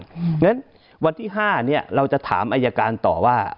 เพราะฉะนั้นวันที่๕เราจะถามอายการต่อว่า